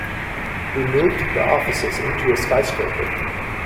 He moved the offices into a skyscraper.